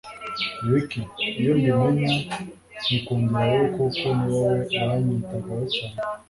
Ricky iyo mbimenya nkikundira wowe kuko ni wowe wanyitagaho cyane